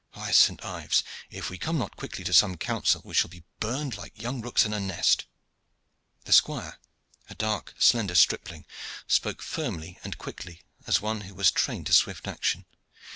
By St. Ives! if we come not quickly to some counsel we shall be burned like young rooks in a nest." The squire, a dark, slender stripling, spoke firmly and quickly, as one who was trained to swift action.